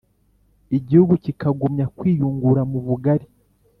igihugu kikagumya kwiyungura mu bugari.